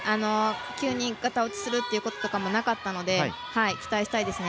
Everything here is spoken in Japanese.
急にがた落ちするということもなかったので期待したいですね。